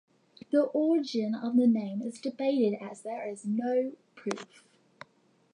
The origin of the name is debated as there is no proof.